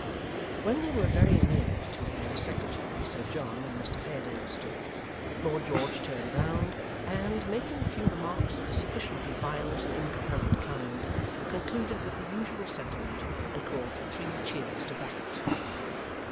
When they were very near to where the secretary, Sir John, and Mr Haredale stood, Lord George turned round and, making a few remarks of a sufficiently violent and incoherent kind, concluded with the usual sentiment, and called for three cheers to back it.